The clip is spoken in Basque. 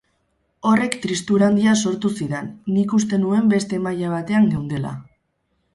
Horrek tristura handia sortu zidan, nik uste nuen beste maila batean geundela.